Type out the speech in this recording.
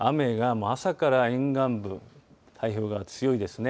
朝から沿岸部、太平洋側、強いですね。